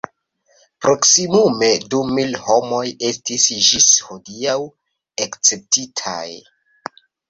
Proksimume du mil homoj estis ĝis hodiaŭ akceptitaj.